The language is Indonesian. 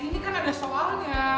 ini kan ada soalnya